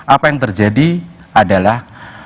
apa yang terjadi adalah